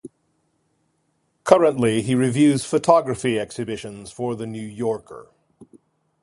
Currently, he reviews photography exhibitions for The New Yorker.